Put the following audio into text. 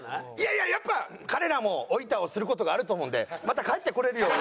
いややっぱ彼らもおいたをする事があると思うんでまた帰ってこれるように。